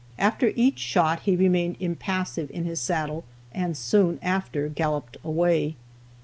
After each shot he remained impassive in his saddle, and soon after galloped away.